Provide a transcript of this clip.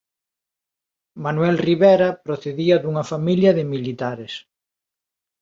Manuel Rivera procedía dunha familia de militares.